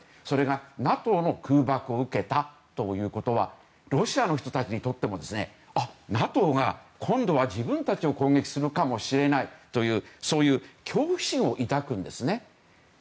それがＮＡＴＯの空爆を受けたということはロシアの人たちにとってもＮＡＴＯが今度は自分たちを攻撃するかもしれないというそういう恐怖心を抱くんですね。